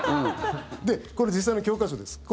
これ実際の教科書です。